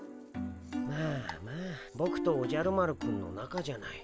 まあまあボクとおじゃる丸くんのなかじゃない。